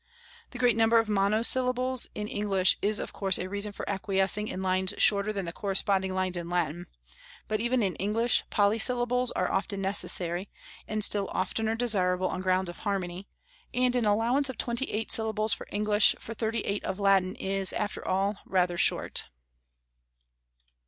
The great number of monosyllables in English is of course a reason for acquiescing in lines shorter than the corresponding lines in Latin; but even in English polysyllables are often necessary, and still oftener desirable on grounds of harmony; and an allowance of twenty eight syllables of English for thirty eight of Latin is, after all, rather short.